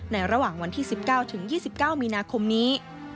ระหว่างวันที่๑๙ถึง๒๙มีนาคมนี้